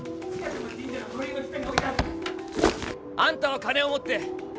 あんたは金を持って